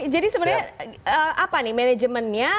jadi sebenarnya apa nih manajemennya